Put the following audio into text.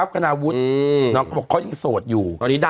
เขายังโสดอยู่